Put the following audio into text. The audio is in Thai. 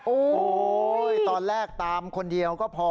โอ้โหตอนแรกตามคนเดียวก็พอ